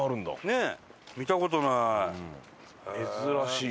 ねえ。